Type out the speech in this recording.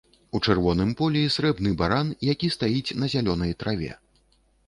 У чырвоным полі срэбны баран, які стаіць на зялёнай траве.